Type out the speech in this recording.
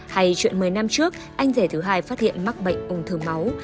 hay chuyện một mươi năm trước anh rể thứ hai phát hiện mắc bệnh ung thư máu